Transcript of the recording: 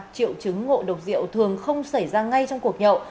triệu chứng ngộ độc rượu thường không xảy ra ngay trong cuộc nhậu